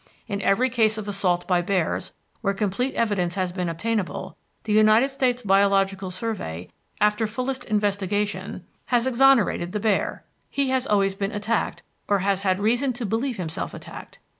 In every case of assault by bears where complete evidence has been obtainable, the United States Biological Survey, after fullest investigation, has exonerated the bear; he has always been attacked or has had reason to believe himself attacked.